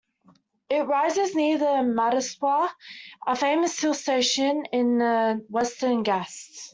It rises near Mahableshwar, a famous hill station in the Western Ghats.